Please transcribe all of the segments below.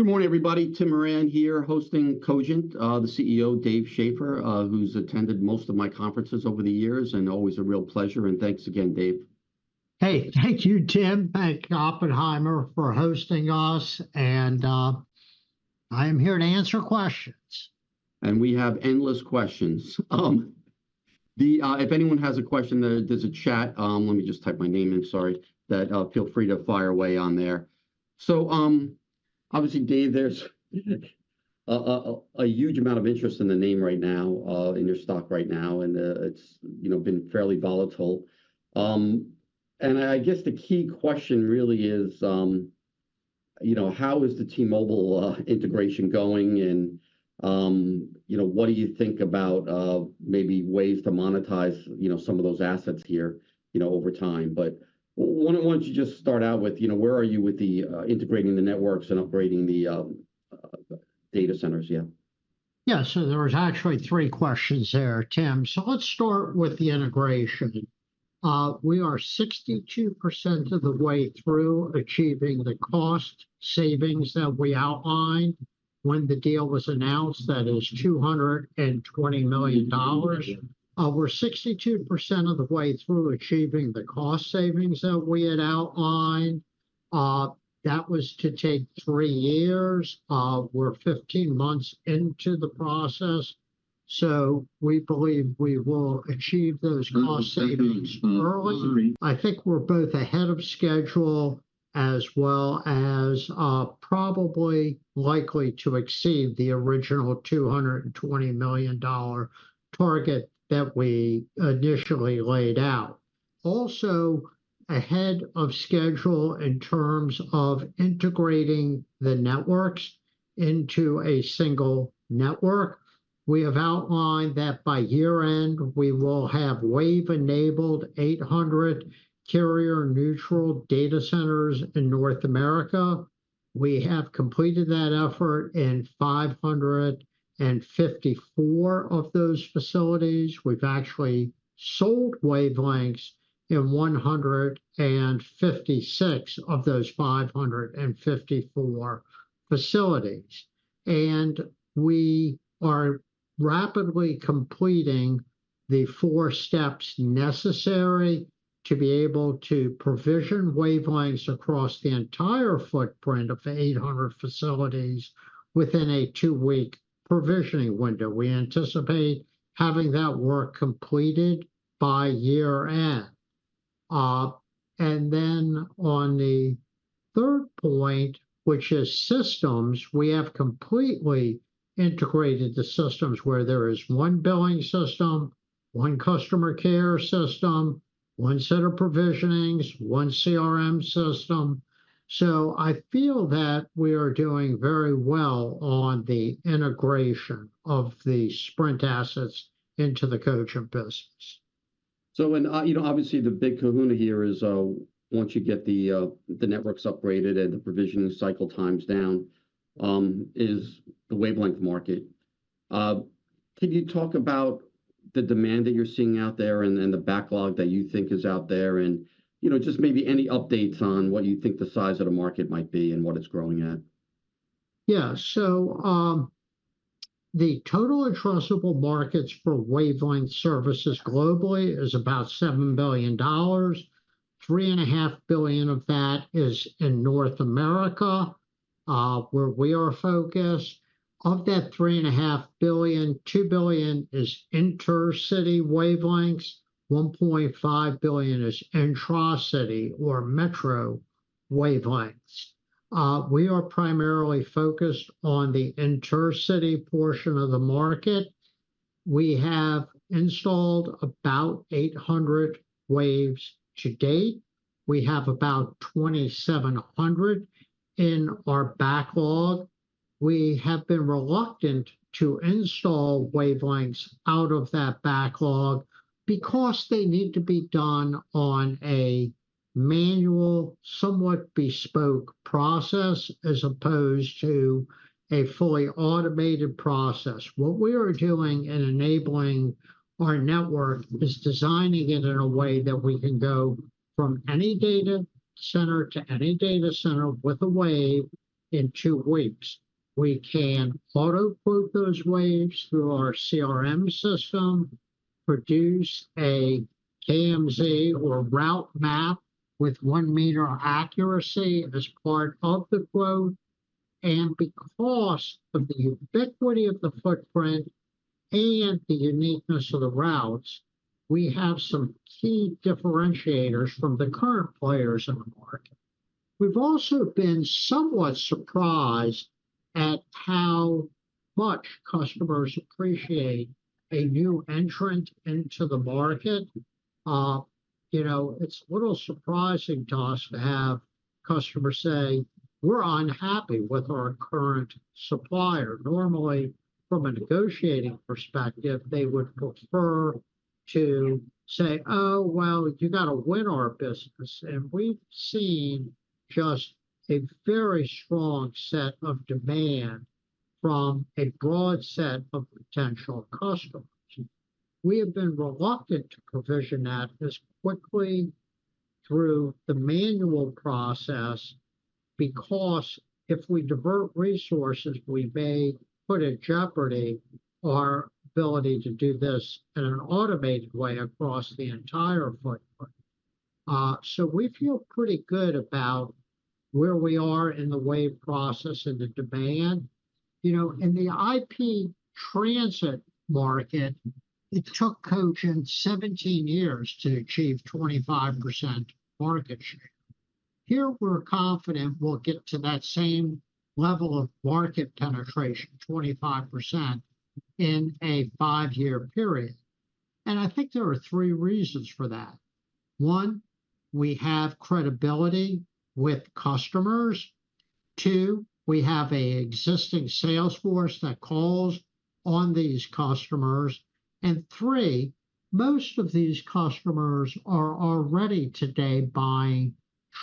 Good morning, everybody. Tim Horan here, hosting Cogent, the CEO, Dave Schaeffer, who's attended most of my conferences over the years, and always a real pleasure, and thanks again, Dave. Hey. Thank you, Tim. Thank Oppenheimer for hosting us, and I am here to answer questions. We have endless questions. If anyone has a question, there's a chat. Let me just type my name in. Sorry, feel free to fire away on there. So, obviously, Dave, there's a huge amount of interest in the name right now, in your stock right now, and it's, you know, been fairly volatile. And I guess the key question really is, you know, how is the T-Mobile integration going, and, you know, what do you think about maybe ways to monetize some of those assets here, you know, over time? But why don't you just start out with, you know, where are you with integrating the networks and upgrading the data centers, yeah? Yeah, so there was actually three questions there, Tim. So let's start with the integration. We are 62% of the way through achieving the cost savings that we outlined when the deal was announced. That is $220 million. We're 62% of the way through achieving the cost savings that we had outlined. That was to take three years. We're 15 months into the process, so we believe we will achieve those cost savings early. I think we're both ahead of schedule, as well as, probably likely to exceed the original $220 million target that we initially laid out. Also, ahead of schedule in terms of integrating the networks into a single network, we have outlined that by year-end, we will have wave-enabled 800 carrier-neutral data centers in North America. We have completed that effort in 554 of those facilities. We've actually sold wavelengths in 156 of those 554 facilities. We are rapidly completing the 4 steps necessary to be able to provision wavelengths across the entire footprint of 800 facilities within a 2-week provisioning window. We anticipate having that work completed by year-end. Then on the third point, which is systems, we have completely integrated the systems where there is 1 billing system, 1 customer care system, 1 set of provisionings, 1 CRM system. I feel that we are doing very well on the integration of the Sprint assets into the Cogent business. So, you know, obviously the big kahuna here is, once you get the networks upgraded and the provisioning cycle times down, is the wavelength market. Can you talk about the demand that you're seeing out there and the backlog that you think is out there? And, you know, just maybe any updates on what you think the size of the market might be and what it's growing at. Yeah. So, the total addressable markets for wavelength services globally is about $7 billion, $3.5 billion of that is in North America, where we are focused. Of that $3.5 billion, $2 billion is intercity wavelengths, $1.5 billion is intra-city or metro wavelengths. We are primarily focused on the intercity portion of the market. We have installed about 800 waves to date. We have about 2,700 in our backlog. We have been reluctant to install wavelengths out of that backlog because they need to be done on a manual, somewhat bespoke process, as opposed to a fully automated process. What we are doing in enabling our network is designing it in a way that we can go from any data center to any data center with a wave in 2 weeks. We can auto-probe those waves through our CRM system, produce a KMZ or route map with one meter accuracy as part of the quote, and because of the ubiquity of the footprint and the uniqueness of the routes, we have some key differentiators from the current players in the market. We've also been somewhat surprised at how much customers appreciate a new entrant into the market. You know, it's a little surprising to us to have customers say, "We're unhappy with our current supplier." Normally, from a negotiating respective, they would prefer to say, "Oh, well, you got to win our business." And we've seen just a very strong set of demand from a broad set of potential customers. We have been reluctant to provision that as quickly-... through the manual process, because if we divert resources, we may put in jeopardy our ability to do this in an automated way across the entire footprint. So we feel pretty good about where we are in the wave process and the demand. You know, in the IP transit market, it took Cogent 17 years to achieve 25% market share. Here, we're confident we'll get to that same level of market penetration, 25%, in a five-year period, and I think there are three reasons for that. One, we have credibility with customers. Two, we have an existing sales force that calls on these customers. And three, most of these customers are already today buying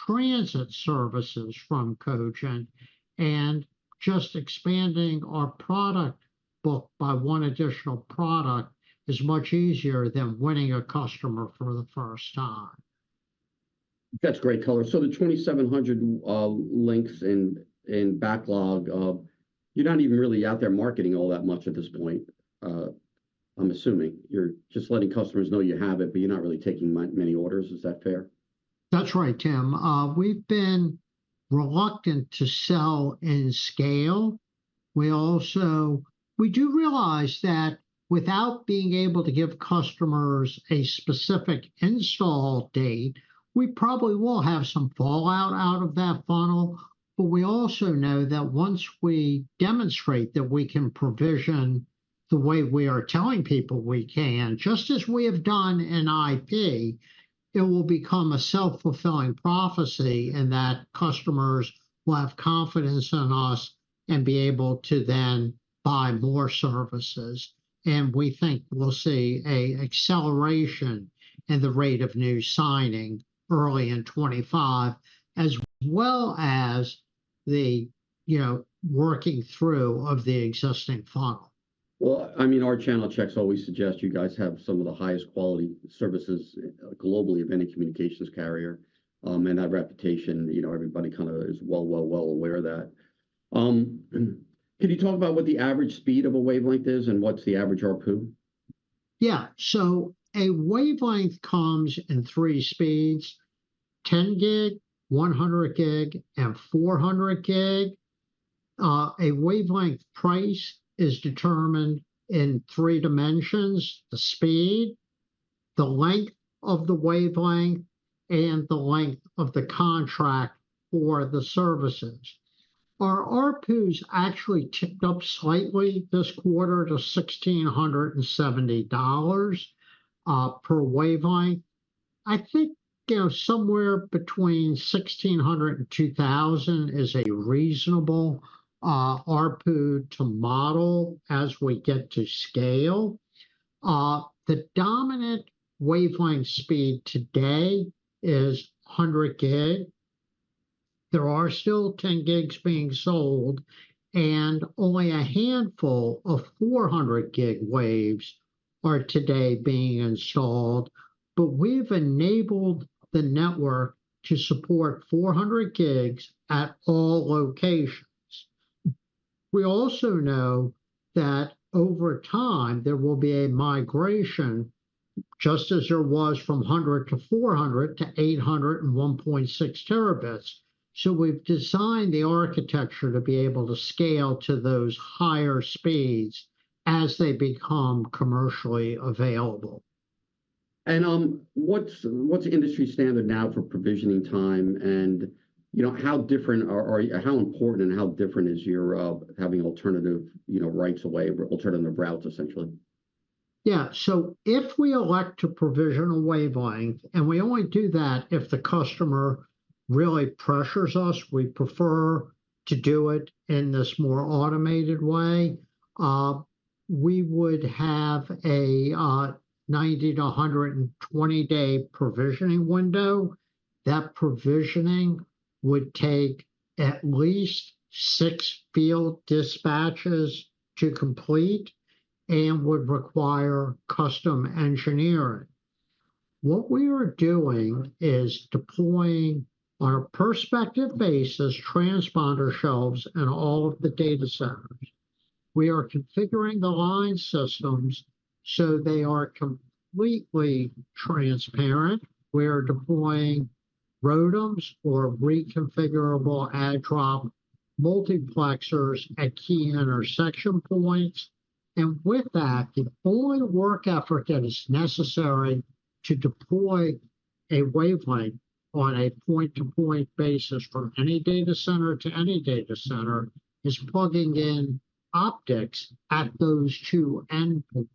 transit services from Cogent, and just expanding our product book by one additional product is much easier than winning a customer for the first time. That's great color. So the 2,700 links in backlog, you're not even really out there marketing all that much at this point, I'm assuming. You're just letting customers know you have it, but you're not really taking many orders. Is that fair? That's right, Tim. We've been reluctant to sell and scale. We also realize that without being able to give customers a specific install date, we probably will have some fallout out of that funnel. But we also know that once we demonstrate that we can provision the way we are telling people we can, just as we have done in IP, it will become a self-fulfilling prophecy in that customers will have confidence in us and be able to then buy more services. And we think we'll see an acceleration in the rate of new signing early in 25, as well as the, you know, working through of the existing funnel. Well, I mean, our channel checks always suggest you guys have some of the highest quality services, globally of any communications carrier. And that reputation, you know, everybody kind of is well aware of that. And can you talk about what the average speed of a wavelength is, and what's the average ARPU? Yeah. So a wavelength comes in three speeds: 10 gig, 100 gig, and 400 gig. A wavelength price is determined in three dimensions: the speed, the length of the wavelength, and the length of the contract for the services. Our ARPUs actually ticked up slightly this quarter to $1,670 per wavelength. I think, you know, somewhere between $1,600 and $2,000 is a reasonable ARPU to model as we get to scale. The dominant wavelength speed today is 100 gig. There are still 10 gigs being sold, and only a handful of 400 gig waves are today being installed. But we've enabled the network to support 400 gigs at all locations. We also know that over time, there will be a migration, just as there was from 100 to 400 to 800 and 1.6 terabits. So we've designed the architecture to be able to scale to those higher speeds as they become commercially available. What's the industry standard now for provisioning time? You know, how important and how different is your having alternative, you know, rights of way, alternative routes, essentially? Yeah. So if we elect to provision a wavelength, and we only do that if the customer really pressures us, we prefer to do it in this more automated way, we would have a 90- to 120-day provisioning window. That provisioning would take at least six field dispatches to complete and would require custom engineering. What we are doing is deploying our respective bays, transponder shelves, and all of the data centers. We are configuring the line systems so they are completely transparent. We are deploying ROADMs or Reconfigurable Add-Drop Multiplexers at key intersection points. And with that, the only work effort that is necessary to deploy a wavelength on a point-to-point basis from any data center to any data center, is plugging in optics at those two endpoints.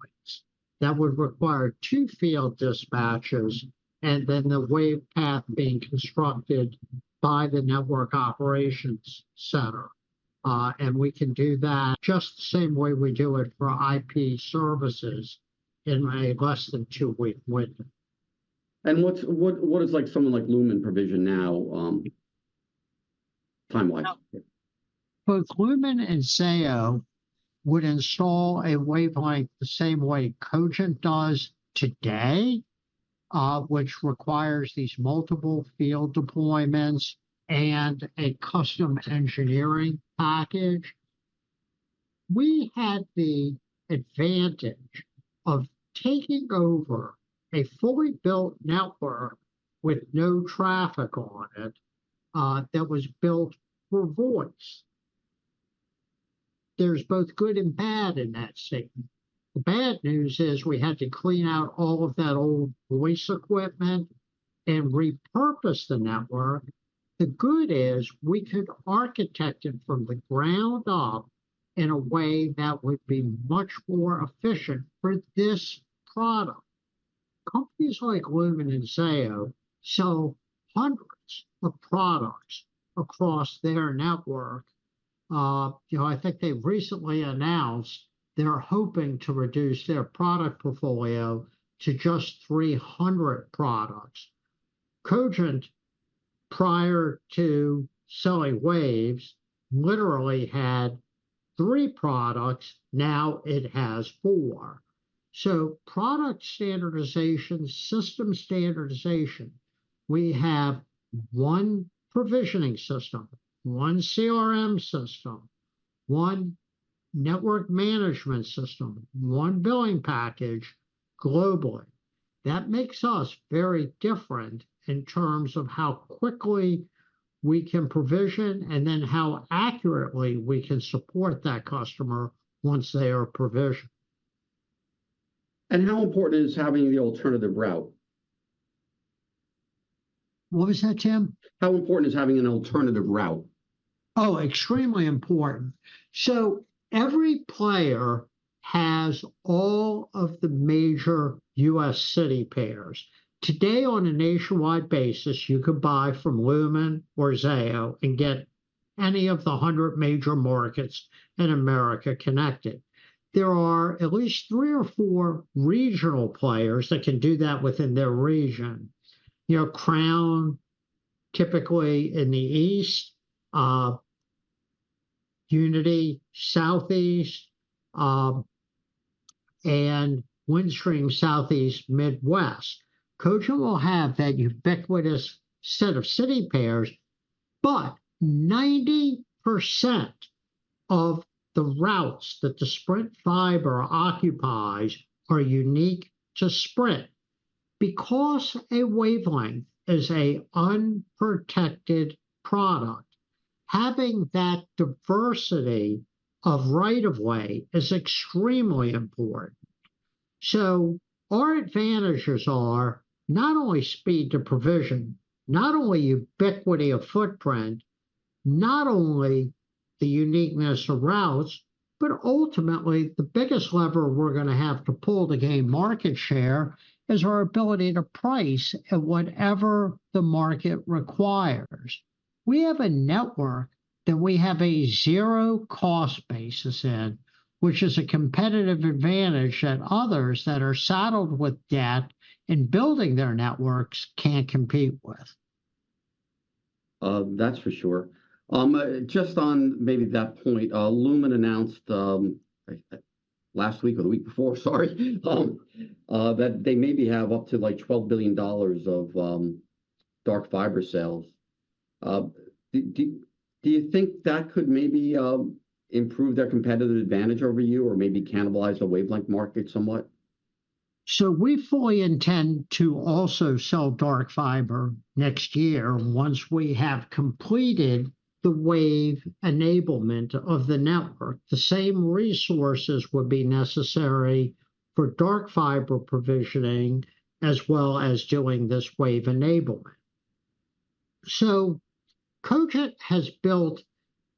That would require two field dispatches, and then the wave path being constructed by the network operations center. We can do that just the same way we do it for IP services in a less than two-week window. What is, like, someone like Lumen providing now, timewise? Both Lumen and Zayo would install a wavelength the same way Cogent does today, which requires these multiple field deployments and a custom engineering package. We had the advantage of taking over a fully built network with no traffic on it, that was built for voice. There's both good and bad in that statement. The bad news is we had to clean out all of that old voice equipment and repurpose the network. The good is we could architect it from the ground up in a way that would be much more efficient for this product. Companies like Lumen and Zayo sell hundreds of products across their network. You know, I think they've recently announced they're hoping to reduce their product portfolio to just 300 products. Cogent, prior to selling waves, literally had three products, now it has four. So product standardization, system standardization, we have one provisioning system, one CRM system, one network management system, one billing package globally. That makes us very different in terms of how quickly we can provision, and then how accurately we can support that customer once they are provisioned. How important is having the alternative route? What was that, Tim? How important is having an alternative route? Oh, extremely important. So every player has all of the major U.S. city pairs. Today, on a nationwide basis, you could buy from Lumen or Zayo and get any of the 100 major markets in America connected. There are at least three or four regional players that can do that within their region. You know, Crown, typically in the East, Uniti, Southeast, and Windstream, Southeast, Midwest. Cogent will have that ubiquitous set of city pairs, but 90% of the routes that the Sprint fiber occupies are unique to Sprint. Because a wavelength is a unprotected product, having that diversity of right of way is extremely important. Our advantages are not only speed to provision, not only ubiquity of footprint, not only the uniqueness of routes, but ultimately, the biggest lever we're gonna have to pull to gain market share is our ability to price at whatever the market requires. We have a network that we have a 0 cost basis in, which is a competitive advantage that others that are saddled with debt in building their networks can't compete with. That's for sure. Just on maybe that point, Lumen announced... Last week or the week before, sorry, that they maybe have up to, like, $12 billion of dark fiber sales. Do you think that could maybe improve their competitive advantage over you, or maybe cannibalize the wavelength market somewhat? So we fully intend to also sell dark fiber next year, once we have completed the wave enablement of the network. The same resources would be necessary for dark fiber provisioning, as well as doing this wave enablement. So Cogent has built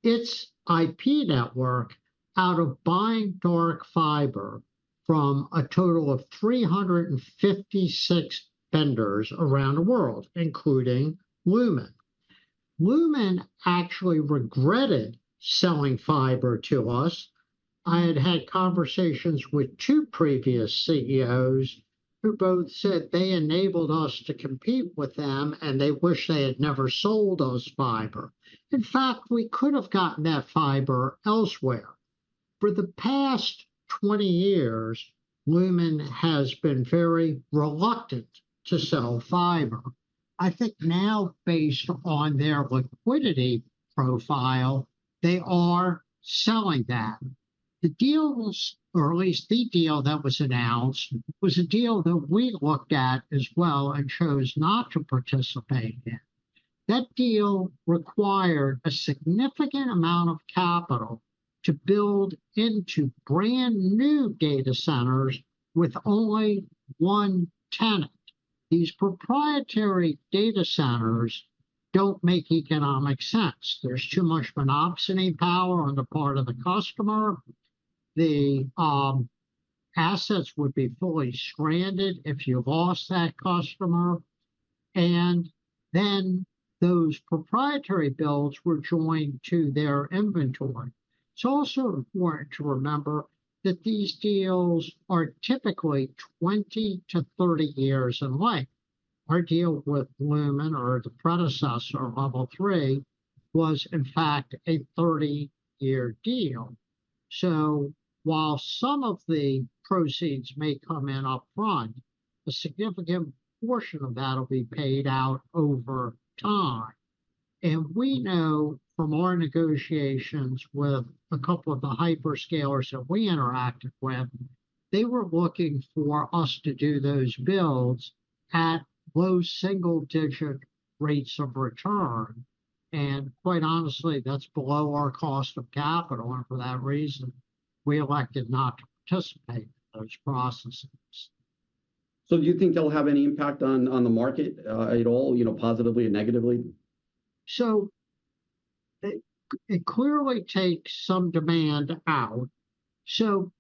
its IP network out of buying dark fiber from a total of 356 vendors around the world, including Lumen. Lumen actually regretted selling fiber to us. I had had conversations with two previous CEOs who both said they enabled us to compete with them, and they wish they had never sold us fiber. In fact, we could have gotten that fiber elsewhere. For the past 20 years, Lumen has been very reluctant to sell fiber. I think now, based on their liquidity profile, they are selling that. The deals, or at least the deal that was announced, was a deal that we looked at as well and chose not to participate in. That deal required a significant amount of capital to build into brand-new data centers with only one tenant. These proprietary data centers don't make economic sense. There's too much monopsony power on the part of the customer. The assets would be fully stranded if you lost that customer, and then those proprietary builds were joined to their inventory. It's also important to remember that these deals are typically 20-30 years in length.... Our deal with Lumen or the predecessor, Level 3, was in fact a 30-year deal. So while some of the proceeds may come in upfront, a significant portion of that'll be paid out over time. We know from our negotiations with a couple of the hyperscalers that we interacted with, they were looking for us to do those builds at low single-digit rates of return. Quite honestly, that's below our cost of capital, and for that reason, we elected not to participate in those processes. So do you think they'll have any impact on the market, at all, you know, positively or negatively? So it clearly takes some demand out. So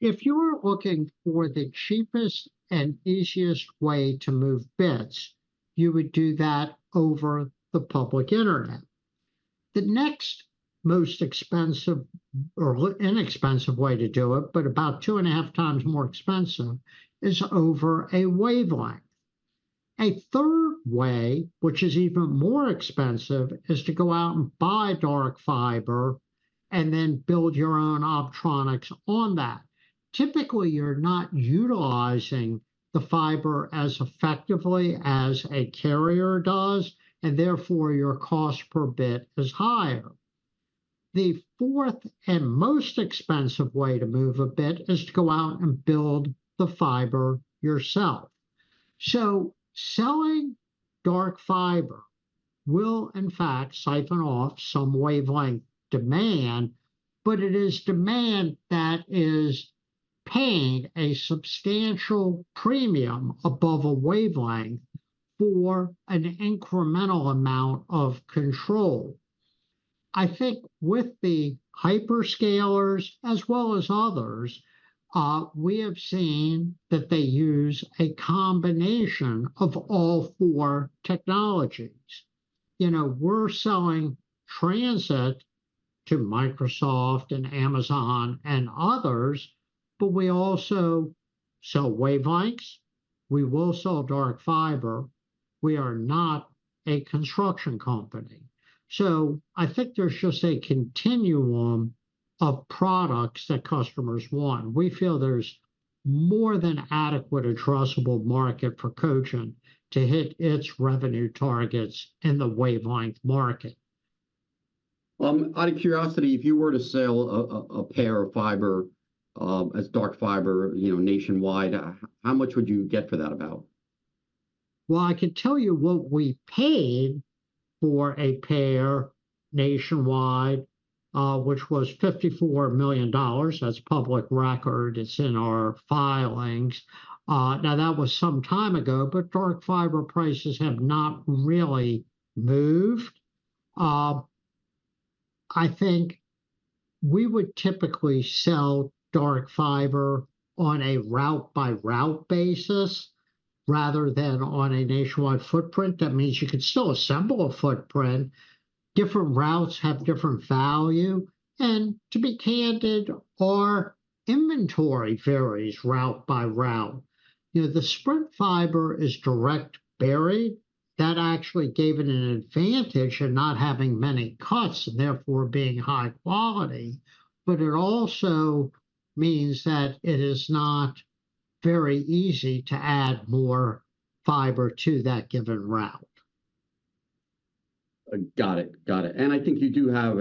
if you were looking for the cheapest and easiest way to move bits, you would do that over the public internet. The next most inexpensive way to do it, but about 2.5 times more expensive, is over a wavelength. A third way, which is even more expensive, is to go out and buy dark fiber and then build your own optronics on that. Typically, you're not utilizing the fiber as effectively as a carrier does, and therefore your cost per bit is higher. The fourth and most expensive way to move a bit is to go out and build the fiber yourself. So selling dark fiber will in fact siphon off some wavelength demand, but it is demand that is paying a substantial premium above a wavelength for an incremental amount of control. I think with the hyperscalers as well as others, we have seen that they use a combination of all four technologies. You know, we're selling transit to Microsoft and Amazon and others, but we also sell wavelengths. We will sell dark fiber. We are not a construction company. So I think there's just a continuum of products that customers want. We feel there's more than adequate addressable market for Cogent to hit its revenue targets in the wavelength market. Out of curiosity, if you were to sell a pair of fiber as dark fiber, you know, nationwide, how much would you get for that about? Well, I can tell you what we paid for a pair nationwide, which was $54 million. That's public record. It's in our filings. Now, that was some time ago, but dark fiber prices have not really moved. I think we would typically sell dark fiber on a route-by-route basis, rather than on a nationwide footprint. That means you could still assemble a footprint. Different routes have different value, and to be candid, our inventory varies route by route. You know, the Sprint fiber is direct buried. That actually gave it an advantage in not having many cuts and therefore being high quality, but it also means that it is not very easy to add more fiber to that given route. Got it. Got it. I think you do have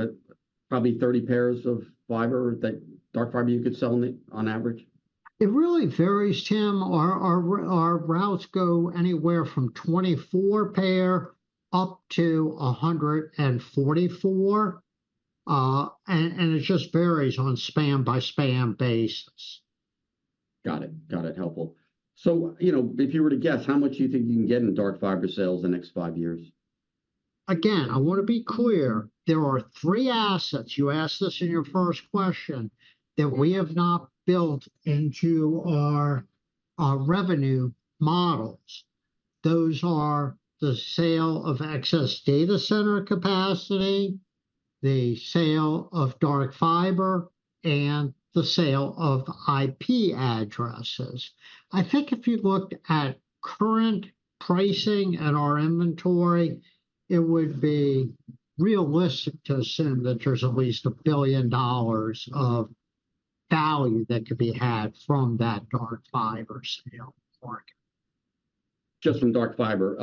probably 30 pairs of fiber that dark fiber you could sell on average? It really varies, Tim. Our routes go anywhere from 24 pair up to 144, and it just varies on span-by-span basis. Got it. Got it. Helpful. So, you know, if you were to guess, how much do you think you can get in the dark fiber sales the next five years? Again, I wanna be clear, there are three assets, you asked this in your first question, that we have not built into our revenue models. Those are the sale of excess data center capacity, the sale of dark fiber, and the sale of IP addresses. I think if you looked at current pricing and our inventory, it would be realistic to assume that there's at least $1 billion of value that could be had from that dark fiber sale market. Just from dark fiber.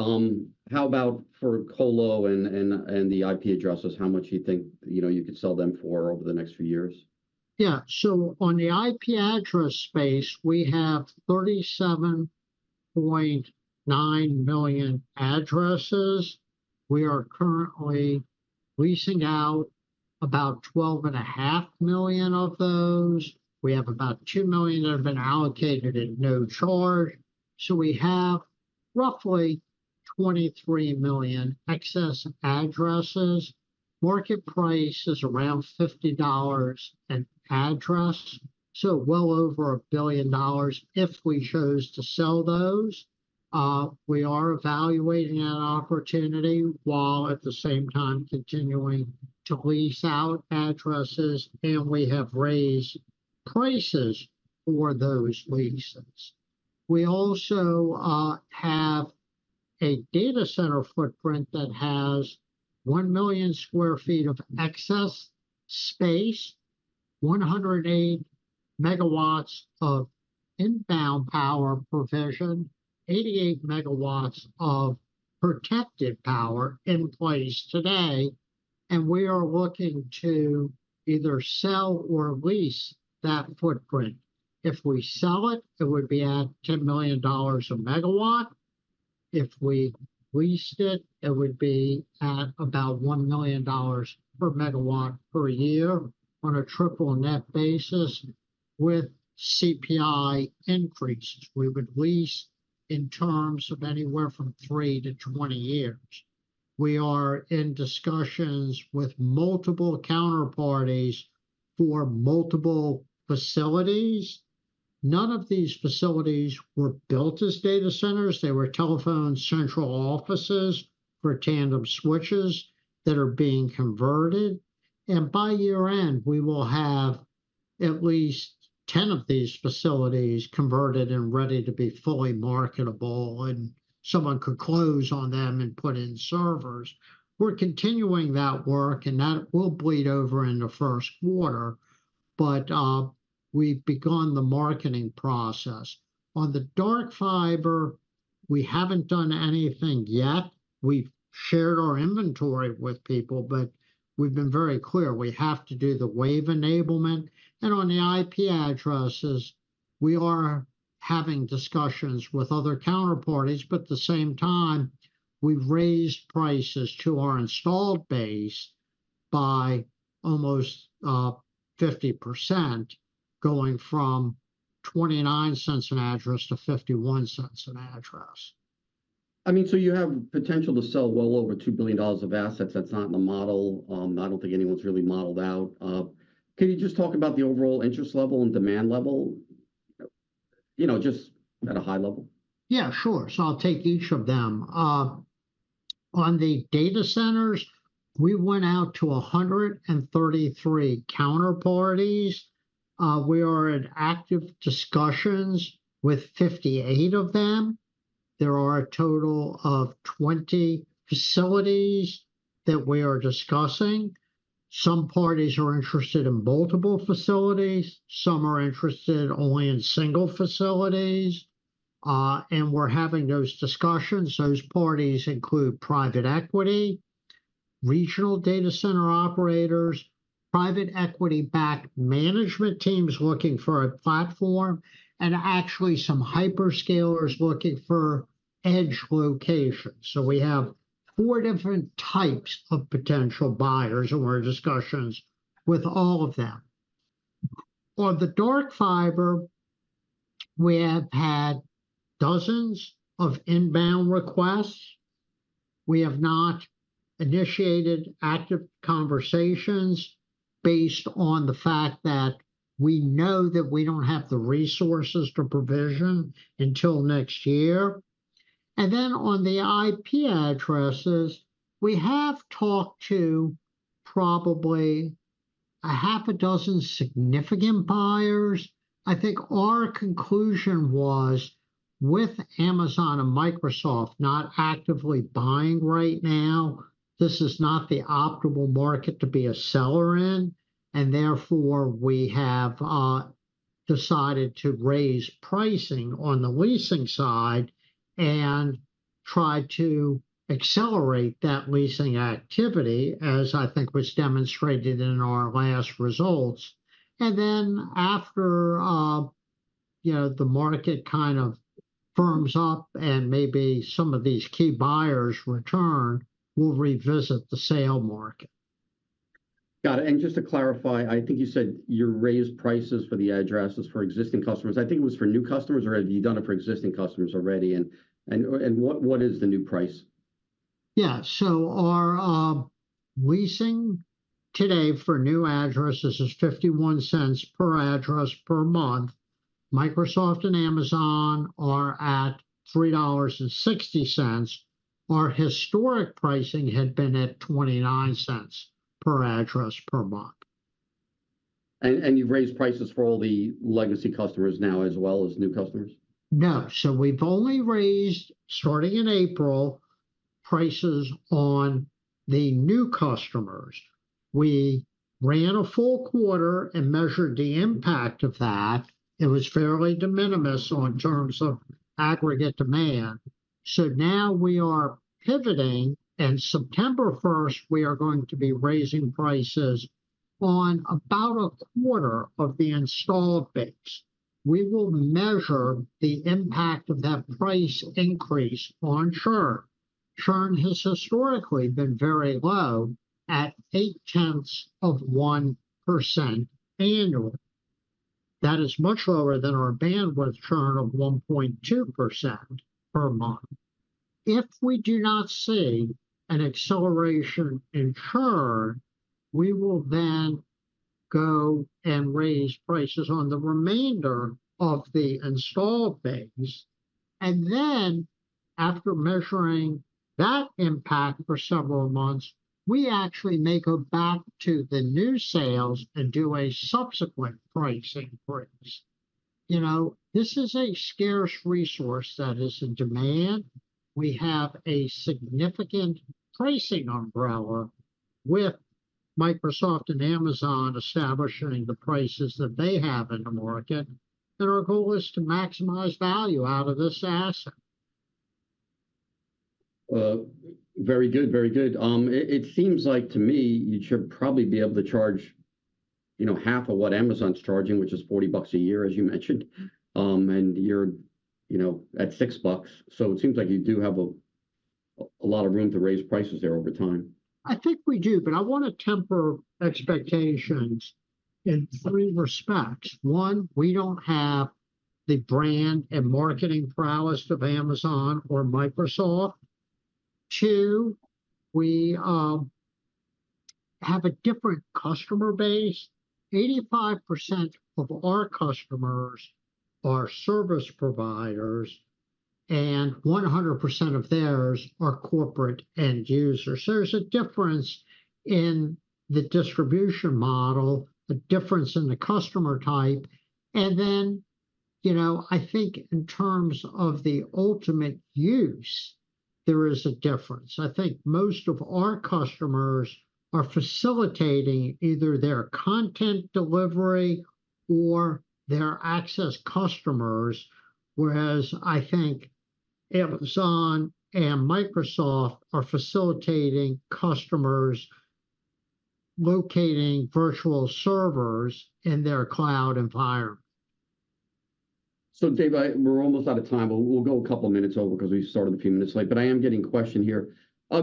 How about for colo and the IP addresses? How much do you think, you know, you could sell them for over the next few years? Yeah. So on the IP address space, we have 37.9 million addresses. We are currently leasing out about 12.5 million of those. We have about 2 million that have been allocated at no charge. So we have roughly 23 million excess addresses. Market price is around $50 an address, so well over $1 billion if we chose to sell those. We are evaluating that opportunity while at the same time continuing to lease out addresses, and we have raised prices for those leases. We also have a data center footprint that has 1 million sq ft of excess space, 108 MW of inbound power provision, 88 MW of protected power in place today, and we are looking to either sell or lease that footprint. If we sell it, it would be at $10 million a megawatt. If we leased it, it would be at about $1 million per megawatt per year on a triple net basis with CPI increases. We would lease in terms of anywhere from 3-20 years. We are in discussions with multiple counterparties for multiple facilities. None of these facilities were built as data centers. They were telephone central offices for tandem switches that are being converted, and by year-end, we will have at least 10 of these facilities converted and ready to be fully marketable, and someone could close on them and put in servers. We're continuing that work, and that will bleed over in the first quarter, but, we've begun the marketing process. On the dark fiber, we haven't done anything yet. We've shared our inventory with people, but we've been very clear, we have to do the wave enablement. On the IP addresses, we are having discussions with other counterparties, but at the same time, we've raised prices to our installed base by almost 50%, going from $0.29 an address to $0.51 an address. I mean, so you have potential to sell well over $2 billion of assets. That's not in the model. I don't think anyone's really modeled out. Can you just talk about the overall interest level and demand level, you know, just at a high level? Yeah, sure. So I'll take each of them. On the data centers, we went out to 133 counterparties. We are in active discussions with 58 of them. There are a total of 20 facilities that we are discussing. Some parties are interested in multiple facilities, some are interested only in single facilities, and we're having those discussions. Those parties include private equity, regional data center operators, private equity-backed management teams looking for a platform, and actually some hyperscalers looking for edge locations. So we have four different types of potential buyers, and we're in discussions with all of them. On the dark fiber, we have had dozens of inbound requests. We have not initiated active conversations based on the fact that we know that we don't have the resources to provision until next year. Then on the IP addresses, we have talked to probably 6 significant buyers. I think our conclusion was, with Amazon and Microsoft not actively buying right now, this is not the optimal market to be a seller in, and therefore, we have decided to raise pricing on the leasing side and try to accelerate that leasing activity, as I think was demonstrated in our last results. Then after, you know, the market kind of firms up and maybe some of these key buyers return, we'll revisit the sale market. Got it. And just to clarify, I think you said you raised prices for the addresses for existing customers. I think it was for new customers, or have you done it for existing customers already? And what is the new price? Yeah. So our leasing today for new addresses is $0.51 per address per month. Microsoft and Amazon are at $3.60. Our historic pricing had been at $0.29 per address per month. And you've raised prices for all the legacy customers now, as well as new customers? No. So we've only raised, starting in April, prices on the new customers. We ran a full quarter and measured the impact of that. It was fairly de minimis in terms of aggregate demand. So now we are pivoting, and September first, we are going to be raising prices on about a quarter of the installed base. We will measure the impact of that price increase on churn. Churn has historically been very low, at 0.8% annually. That is much lower than our bandwidth churn of 1.2% per month. If we do not see an acceleration in churn, we will then go and raise prices on the remainder of the installed base. And then after measuring that impact for several months, we actually may go back to the new sales and do a subsequent pricing increase. You know, this is a scarce resource that is in demand. We have a significant pricing umbrella with Microsoft and Amazon establishing the prices that they have in the market, and our goal is to maximize value out of this asset. Very good, very good. It seems like to me you should probably be able to charge, you know, half of what Amazon's charging, which is $40 a year, as you mentioned, and you're, you know, at $6. So it seems like you do have a lot of room to raise prices there over time. I think we do, but I wanna temper expectations in three respects. One, we don't have the brand and marketing prowess of Amazon or Microsoft. Two, we have a different customer base. 85% of our customers are service providers, and 100% of theirs are corporate end users. So there's a difference in the distribution model, a difference in the customer type, and then, you know, I think in terms of the ultimate use, there is a difference. I think most of our customers are facilitating either their content delivery or their access customers, whereas I think Amazon and Microsoft are facilitating customers locating virtual servers in their cloud environment. So Dave, we're almost out of time, but we'll go a couple of minutes over 'cause we started a few minutes late, but I am getting a question here.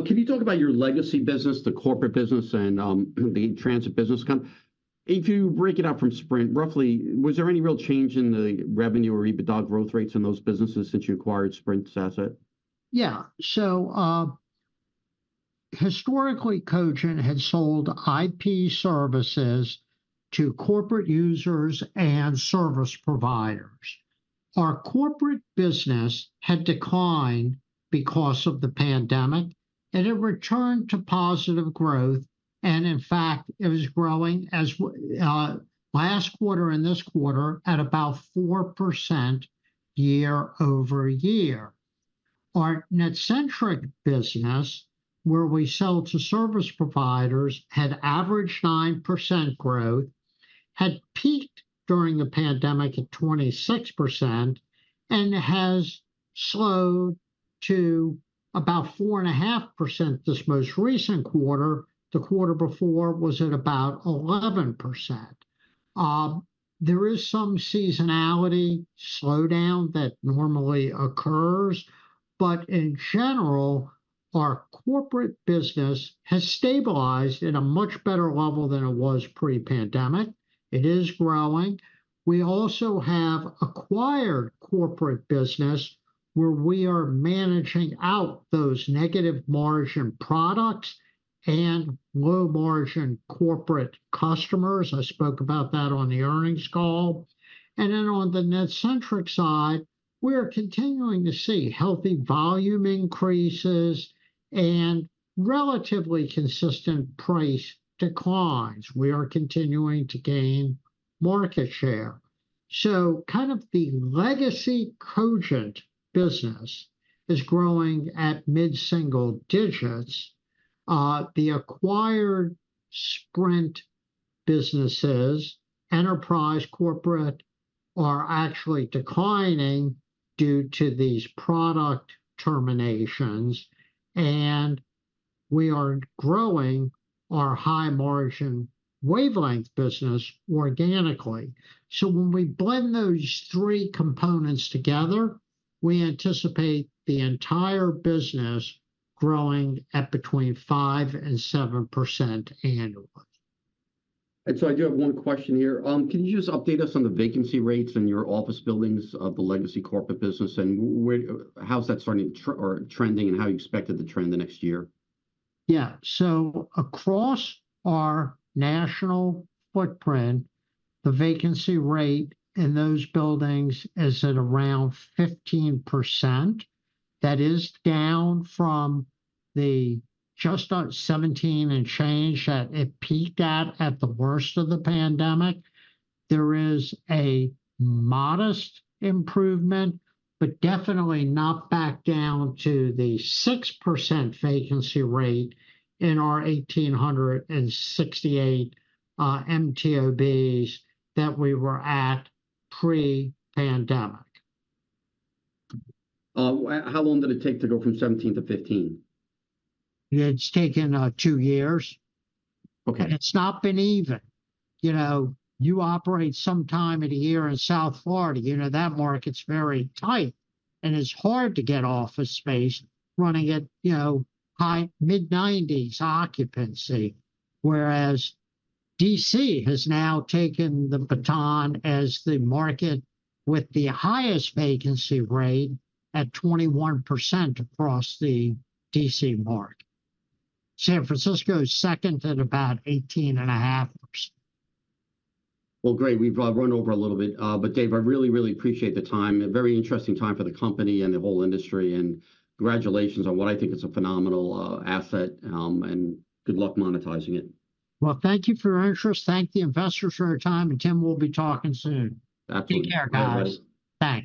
Can you talk about your legacy business, the corporate business, and the transit business combined? If you break it out from Sprint, roughly, was there any real change in the revenue or EBITDA growth rates in those businesses since you acquired Sprint's asset? Yeah. So, historically, Cogent had sold IP services to corporate users and service providers. Our corporate business had declined because of the pandemic, and it returned to positive growth, and in fact, it was growing as well, last quarter and this quarter at about 4% year-over-year. Our NetCentric business, where we sell to service providers, had averaged 9% growth, had peaked during the pandemic at 26%, and has slowed to about 4.5% this most recent quarter. The quarter before was at about 11%. There is some seasonality slowdown that normally occurs, but in general, our corporate business has stabilized at a much better level than it was pre-pandemic. It is growing. We also have acquired corporate business, where we are managing out those negative margin products and low-margin corporate customers. I spoke about that on the earnings call. And then on the NetCentric side, we are continuing to see healthy volume increases and relatively consistent price declines. We are continuing to gain market share. So kind of the legacy Cogent business is growing at mid-single digits. The acquired Sprint businesses, enterprise, corporate, are actually declining due to these product terminations, and we are growing our high-margin wavelength business organically. So when we blend those three components together, we anticipate the entire business growing at between 5% and 7% annually. I do have one question here. Can you just update us on the vacancy rates in your office buildings of the legacy corporate business, and where, how's that starting or trending, and how you expect it to trend the next year? Yeah. So across our national footprint, the vacancy rate in those buildings is at around 15%. That is down from the just over 17 and change that it peaked at, at the worst of the pandemic. There is a modest improvement, but definitely not back down to the 6% vacancy rate in our 1,868 MTOBs that we were at pre-pandemic. How long did it take to go from 17 to 15? It's taken two years. Okay. But it's not been even. You know, you operate sometime in a year in South Florida, you know, that market's very tight, and it's hard to get office space running at, you know, high, mid-90s occupancy. Whereas D.C. has now taken the baton as the market with the highest vacancy rate at 21% across the D.C. market. San Francisco is second at about 18.5%. Well, great, we've run over a little bit, but Dave, I really, really appreciate the time. A very interesting time for the company and the whole industry, and congratulations on what I think is a phenomenal asset, and good luck monetizing it. Well, thank you for your interest. Thank the investors for their time, and Tim, we'll be talking soon. Absolutely. Take care, guys. All right. Thanks.